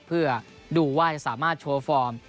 เพื่อดูว่าจะสามารถโชว์ฟอร์ม